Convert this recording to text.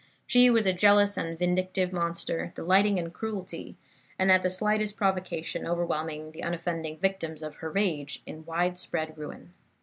She was a jealous and vindictive monster, delighting in cruelty, and at the slightest provocation overwhelming the unoffending victims of her rage in widespread ruin."